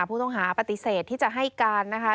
ผู้ต้องหาปฏิเสธที่จะให้การนะคะ